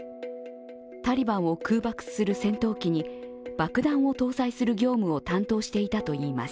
タリバンを空爆する戦闘機に爆弾を搭載する業務を担当していたといいます。